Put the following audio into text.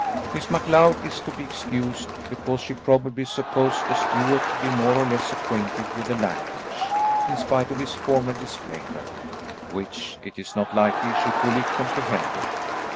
Miss MacLeod is to be excused because she probably supposed a Stuart to be more or less acquainted with the language, in spite of his former disclaimer, which it is not likely she fully comprehended.